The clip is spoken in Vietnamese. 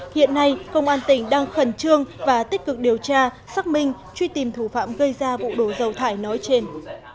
hiện nay công an tỉnh đang khẩn trương và tích cực điều tra xác minh truy tìm thủ phạm gây ra vụ đổ dầu thải nói trên